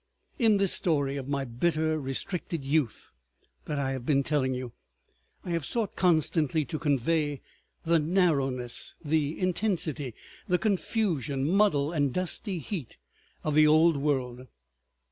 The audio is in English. In this story of my bitter, restricted youth that I have been telling you, I have sought constantly to convey the narrowness, the intensity, the confusion, muddle, and dusty heat of the old world.